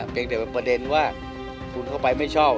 เพียงแต่ประเด็นว่าคุณเข้าไปไม่ชอบ